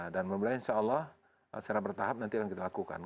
dan insya allah secara bertahap nanti akan kita lakukan